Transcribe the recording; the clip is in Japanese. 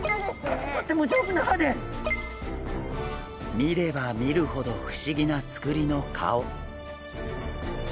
見れば見るほど不思議なつくりの顔。